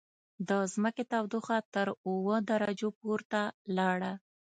د ځمکې تودوخه تر اووه درجو پورته لاړه.